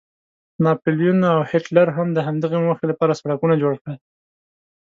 ناپلیون او هیټلر هم د همدغې موخې لپاره سړکونه جوړ کړل.